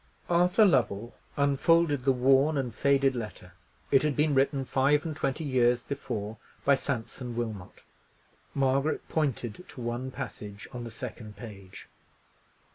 Arthur Lovell unfolded the worn and faded letter. It had been written five and twenty years before by Sampson Wilmot. Margaret pointed to one passage on the second page.